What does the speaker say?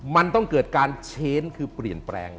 มันต้องเกิดการเปลี่ยนแปลง